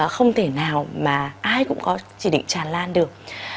không thể nào mà ai cũng có chỉ định tràn lan được